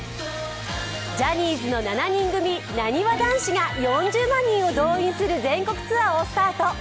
ジャニーズの７人組、なにわ男子が４０万人を動員する全国ツアーをスタート。